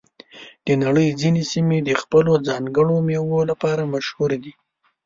د نړۍ ځینې سیمې د خپلو ځانګړو میوو لپاره مشهور دي.